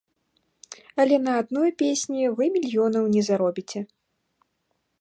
Але на адной песні вы мільёнаў не заробіце.